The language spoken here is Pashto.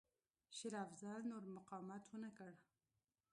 شېر افضل نور مقاومت ونه کړ.